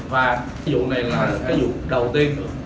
và cái vụ này là cái vụ đầu tiên